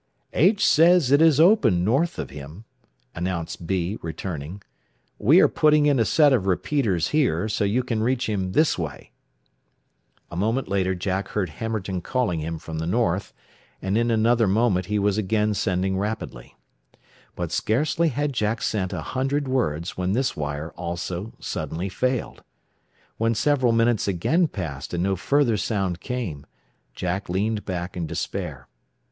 "H says it is open north of him," announced B, returning. "We are putting in a set of repeaters here, so you can reach him this way." A moment later Jack heard Hammerton calling him from the north, and in another moment he was again sending rapidly. But scarcely had Jack sent a hundred words when this wire also suddenly failed. When several minutes again passed and no further sound came, Jack leaned back in despair.